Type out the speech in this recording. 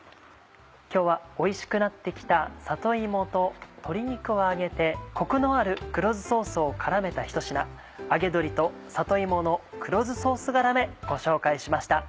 今日はおいしくなって来た里芋と鶏肉を揚げてコクのある黒酢ソースを絡めたひと品「揚げ鶏と里芋の黒酢ソースがらめ」ご紹介しました。